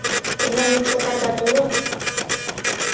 — Тендан мӱкшотардат уло?